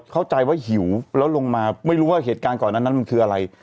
เข้าใจว่าหิวแล้วลงมาไม่รู้ว่าเหตุการณ์ก่อนนั้นมันคืออะไร